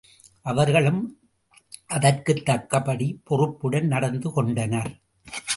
அவர்களும் அதற்குத் தக்கபடி பொறுப்புடன் நடந்து கொண்டனர்.